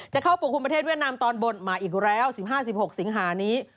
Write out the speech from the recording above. เข้าปกคลุมประเทศเวียดนามตอนบนมาอีกแล้ว๑๕๑๖สิงหานี้